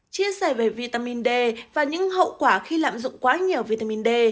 chia sẻ về vitamin d và những hậu quả khi lạm dụng quá nhiều vitamin d